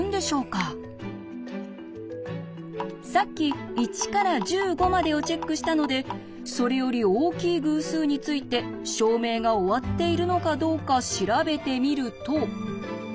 さっき１から１５までをチェックしたのでそれより大きい偶数について証明が終わっているのかどうか調べてみると。